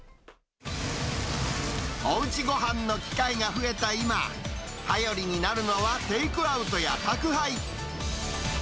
おうちごはんの機会が増えた今、頼りになるのはテイクアウトや宅配。